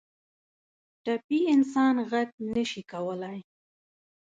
ټپي انسان غږ نه شي کولی.